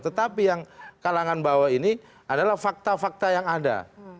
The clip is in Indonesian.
tetapi yang kalangan bawah ini adalah fakta fakta yang ada